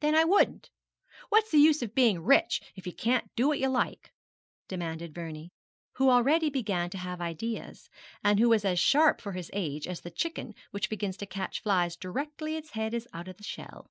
'Then I wouldn't. What's the use of being rich if you can't do what you like?' demanded Vernie, who already began to have ideas, and who was as sharp for his age as the chicken which begins to catch flies directly its head is out of the shell.